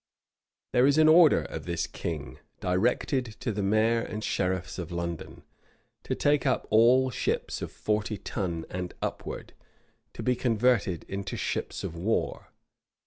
There is an order of this king, directed to the mayor and sheriffs of London, to take up all ships of forty ton and upwards, to be converted into ships of war.